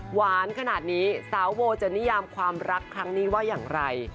หวานขนาดนี้สาวโบจะนิยามความรักครั้งนี้ว่าอย่างไร